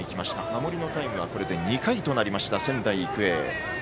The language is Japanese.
守りのタイムはこれで２回となりました、仙台育英。